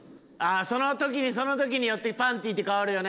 その時その時によってパンティって変わるよね。